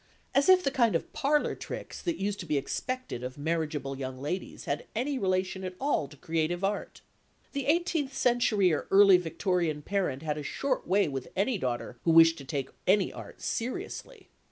As if the kind of parlour tricks that used to be expected of marriageable young ladies had any relation at all to creative art! The eighteenth century or early Victorian parent had a short way with any daughter who wished to take any art seriously.